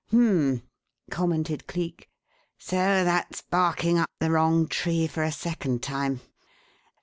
"H'm!" commented Cleek. "So that's 'barking up the wrong tree' for a second time.